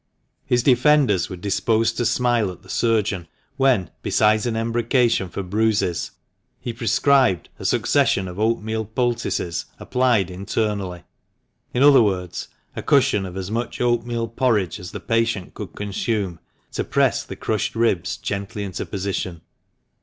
His defenders were disposed to smile at the surgeon when, besides an embrocation for bruises, he prescribed " a succession of oatmeal poultices applied internally" — in other words, a cushion of as much oatmeal porridge as the patient could consume, to press the crushed ribs gently into position.